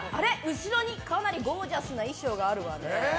後ろにかなりゴージャスな衣装があるわね。